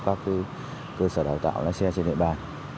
các cơ sở đào tạo lái xe trên địa bàn